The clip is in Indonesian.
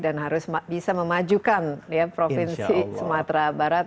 dan harus bisa memajukan provinsi sumatera barat